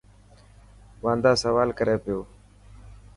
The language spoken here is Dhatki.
واندا سوال ڪري پيو.